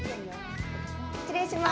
失礼しまーす。